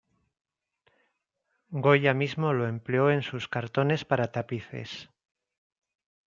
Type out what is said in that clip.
Goya mismo lo empleó en sus cartones para tapices.